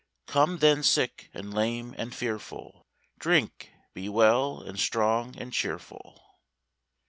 Come then sick, and lame, and fearful, Drink; be well, and strong, and cheerful.